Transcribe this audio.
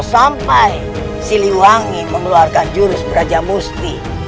sampai siliwangi mengeluarkan jurus brajamusti